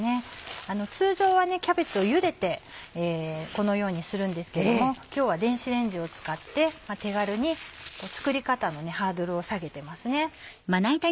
通常はキャベツをゆでてこのようにするんですけども今日は電子レンジを使って手軽に作り方のハードルを下げてますね。